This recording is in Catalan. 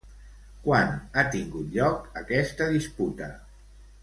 Quan ha tingut lloc aquesta disputa?